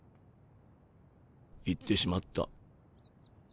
行ってしまった。